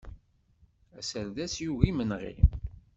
Aserdas yugi imenɣi!